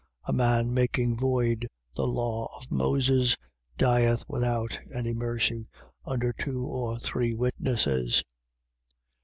10:28. A man making void the law of Moses dieth without any mercy under two or three witnesses: 10:29.